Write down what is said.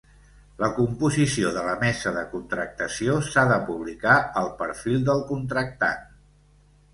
La composició de la mesa de contractació s'ha de publicar al perfil del contractant.